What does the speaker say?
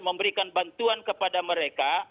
memberikan bantuan kepada mereka